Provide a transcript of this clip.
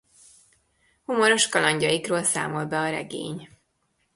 Humoros kalandjaikról számol be a regény.